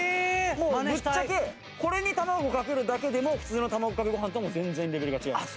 もうぶっちゃけこれに卵をかけるだけでも普通の卵かけご飯と全然レベルが違います。